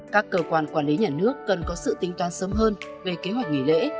các cơ quan quản lý nhà nước cần có sự tính toán sớm hơn về kế hoạch nghỉ lễ